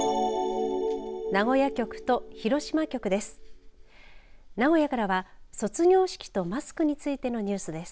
名古屋局と広島局です。